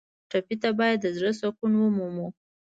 ټپي ته باید د زړه سکون ومومو.